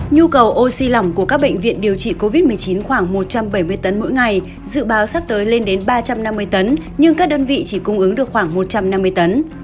nhu cầu oxy lỏng của các bệnh viện điều trị covid một mươi chín khoảng một trăm bảy mươi tấn mỗi ngày dự báo sắp tới lên đến ba trăm năm mươi tấn nhưng các đơn vị chỉ cung ứng được khoảng một trăm năm mươi tấn